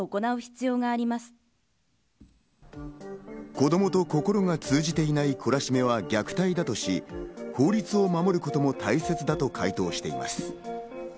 子どもと心が通じていない懲らしめは虐待だとし、法律を守ることも大切だと回答しています。